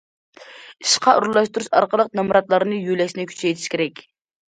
ئىشقا ئورۇنلاشتۇرۇش ئارقىلىق نامراتلارنى يۆلەشنى كۈچەيتىش كېرەك.